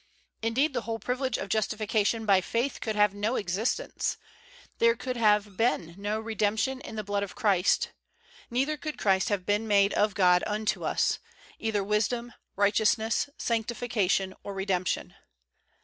Indeed, the whole privilege of justification by faith could have no existence; there could have been no redemption in the blood of Christ : neither could Christ have been made of God unto us, either " wisdom, righteousness, sanctification, or redemption.